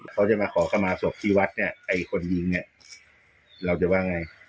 เขาจะมาขอเข้ามาศพที่วัดเนี่ยไอ้คนยิงเนี่ยเราจะว่าไง